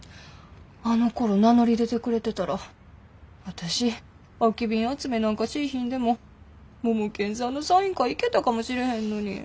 あのころ名乗り出てくれてたら私空き瓶集めなんかしいひんでもモモケンさんのサイン会行けたかもしれへんのに。